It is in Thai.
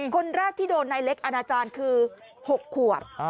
คนแรกที่โดนนายเล็กอาณาจารย์คือ๖ขวบ